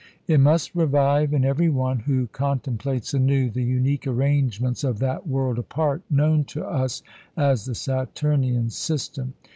It must revive in every one who contemplates anew the unique arrangements of that world apart known to us as the Saturnian system.